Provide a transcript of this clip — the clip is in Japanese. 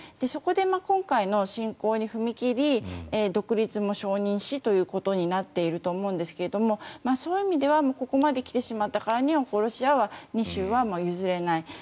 そこで今回の侵攻に踏み切り独立も承認しということになっていると思うんですがそういう意味ではここまで来てしまったからにはロシアは２州は譲れない。